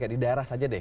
kayak di daerah saja deh